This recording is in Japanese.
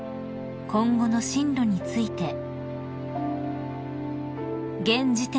［今後の進路について］